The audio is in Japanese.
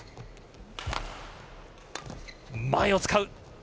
前を使う。